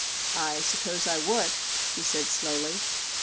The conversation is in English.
' I suppose I would,' he said slowly.